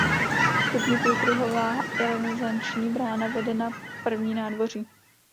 Vstupní půlkruhová renesanční brána vede na první nádvoří.